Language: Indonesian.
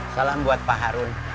salam buat pak harun